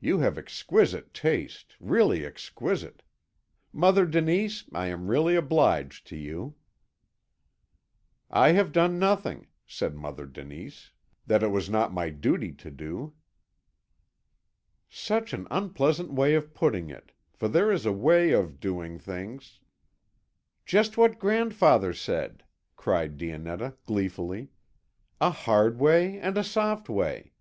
"You have exquisite taste, really exquisite. Mother Denise, I am really obliged to you." "I have done nothing," said Mother Denise, "that it was not my duty to do." "Such an unpleasant way of putting it; for there is a way of doing things " "Just what grandfather said," cried Dionetta, gleefully, "a hard way and a soft way."